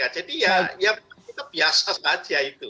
ya kita biasa saja itu